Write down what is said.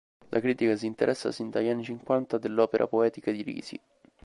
La critica si interessa sin dagli anni Cinquanta dell'opera poetica di Risi.